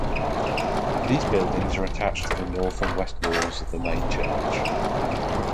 These buildings are attached to the north and west walls of the main church.